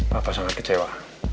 papa sangat kecewa